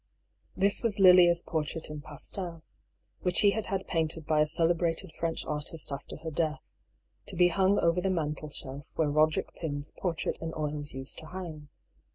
This was Lilia's portrait in pastel, which he had had painted by a celebrated French artist after her death, to be hung over the mantelshelf where Eoderick Pym's portrait in oils used to hang.